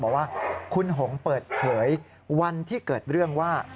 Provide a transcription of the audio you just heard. บอกว่าคุณหงเปิดเผยวันที่เกิดเรื่องว่า